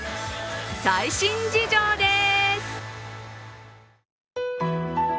最新事情です！